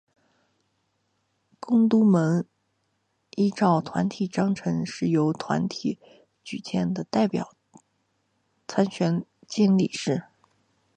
公督盟依照团体章程是由团体推举的代表参选理监事。